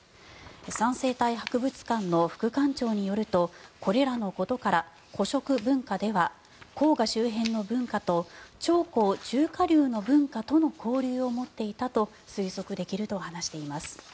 三星堆博物館の副館長によるとこれらのことから古蜀文化では、黄河周辺の文化と長江中下流の文化との交流を持っていたと推測できると話しています。